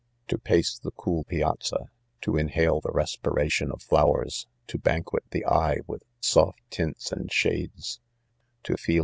le )£ To pace the cool piazza, to inhale the res piration of flowers, ^o lanqiiot^he : eye with soft tints and' shades ; to ^feel